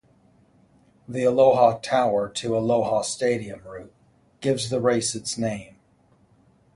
The Aloha Tower to Aloha Stadium route gives the race its name.